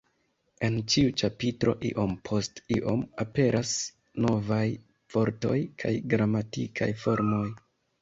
En ĉiu ĉapitro iom post iom aperas novaj vortoj kaj gramatikaj formoj.